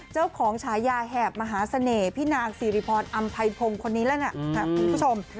ฉายาแหบมหาเสน่ห์พี่นางสิริพรอำไพพงศ์คนนี้แล้วนะคุณผู้ชม